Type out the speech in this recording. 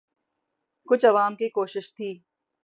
کچھ عوام کی کوشش تھی۔